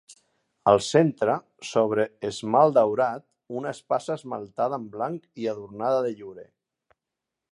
Al centre, sobre esmalt daurat, una espasa esmaltada en blanc i adornada de llorer.